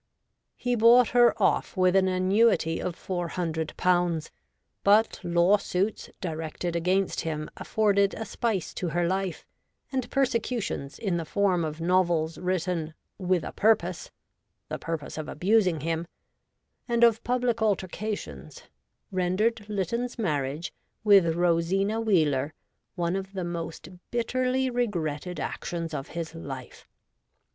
He bought her off with an annuity of 400/., but lawsuits directed against him afforded a spice to her Hfe, and persecutions in the form of novels written 'with a purpose' — the purpose of abusing him — and of public altercations, rendered Lytton's marriage with Rosina Wheeler one of the most bitterly regretted actions of his life.